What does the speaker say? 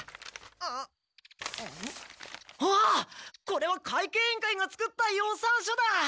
これは会計委員会が作った予算書だ！